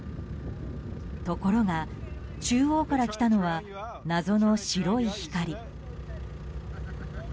ところが、中央から来たのは謎の白い光。